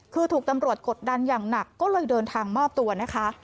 คือถูกตำรวจกดดันอย่างหนักก็เลยเดินทางมอบตัวนะคะ